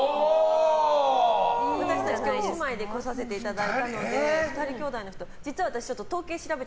私たち今日姉妹で来させていただいたので２人きょうだいの人。